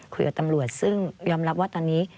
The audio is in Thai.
คุยกับตำรวจซึ่งยอมรับว่าตอนนี้